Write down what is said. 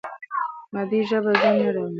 مادي ژبه ځنډ نه راولي.